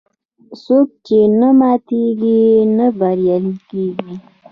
څوک چې نه ماتیږي، نه بریالی کېږي.